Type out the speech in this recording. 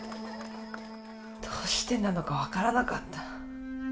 どうしてなのかわからなかった。